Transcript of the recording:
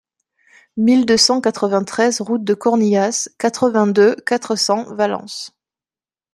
mille deux cent quatre-vingt-treize route de Cornillas, quatre-vingt-deux, quatre cents, Valence